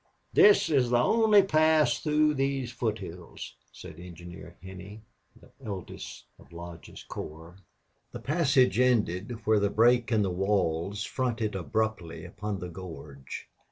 "This is the only pass through these foot hills," said Engineer Henney, the eldest of Lodge's corps. The passage ended where the break in the walls fronted abruptly upon the gorge.